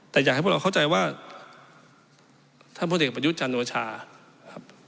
แต่อยากให้พวกเราเข้าใจว่าท่านพลเอกประยุทธ์จันโอชาครับ